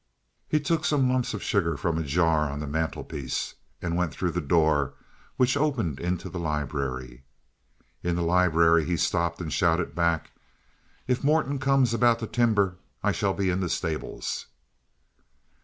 He took some lumps of sugar from a jar on the mantelpiece, and went through the door which opened into the library. In the library he stopped and shouted back: "If Morton comes about the timber, I shall be in the stables."